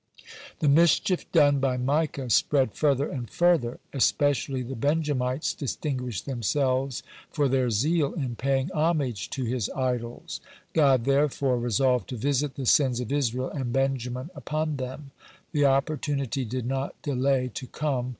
(133) The mischief done by Micah spread further and further. Especially the Benjamites distinguished themselves for their zeal in paying homage to his idols. God therefore resolved to visit the sins of Israel and Benjamin upon them. The opportunity did not delay to come.